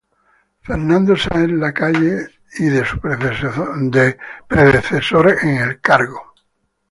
Fernando Sáenz Lacalle y de su predecesor en el cargo.